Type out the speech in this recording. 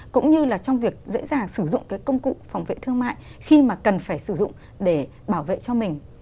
cũng như là trong việc dễ dàng sử dụng cái công cụ phòng vệ thương mại khi mà cần phải sử dụng để bảo vệ cho mình